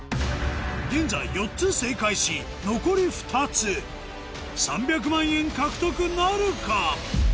現在４つ正解し残り２つ３００万円獲得なるか？